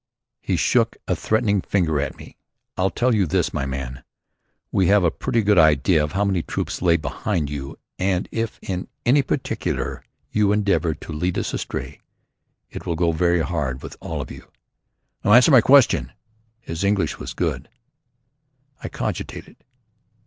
He shook a threatening finger at me. "I'll tell you this, my man: We have a pretty good idea of how many troops lay behind you and if in any particular you endeavour to lead us astray it will go very hard with all of you. Now answer my question!" His English was good. I cogitated.